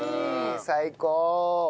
最高！